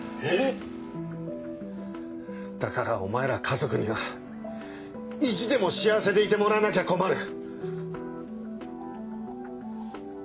えっ⁉だからお前ら家族には意地でも幸せでいてもらわなきゃ困る。